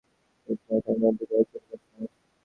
কিন্তু শুধু একখানি গ্রন্থের দোহাই দিলেই চলিবে না।